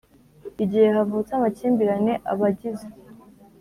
Igihe havutse amakimbirane abagize